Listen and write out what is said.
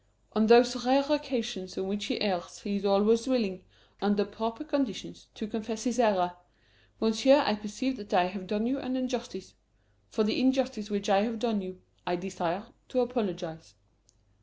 On those rare occasions on which he errs he is always willing, under proper conditions, to confess his error. Monsieur, I perceive that I have done you an injustice. For the injustice which I have done you I desire to apologize."